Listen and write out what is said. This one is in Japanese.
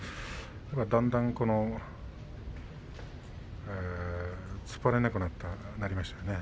だんだん突っ張れなくなりましたね。